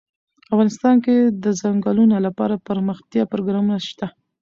افغانستان کې د ځنګلونه لپاره دپرمختیا پروګرامونه شته.